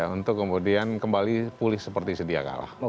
untuk kemudian kembali pulih seperti sedia kalah